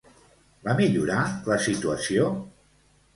Va millorar la situació?